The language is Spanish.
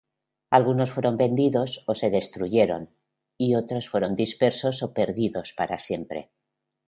Algunos fueron vendidos o se destruyeron y otros fueron dispersos o perdidos para siempre.